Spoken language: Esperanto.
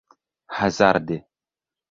hazarde